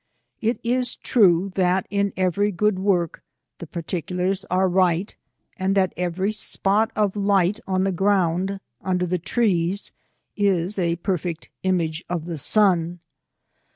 It is true, that, in every good work, the particulars are right, and, that every spot of light on the ground, under the trees, is a perfect image of the sun.